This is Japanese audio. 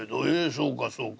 そうかそうか。